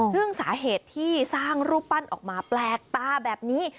ซึ่งสาเหตุที่สร้างรูปปั้นออกมาแปลกตาแบบนี้